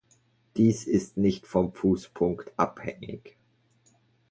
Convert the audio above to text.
Dies ist nicht vom Fußpunkt abhängig.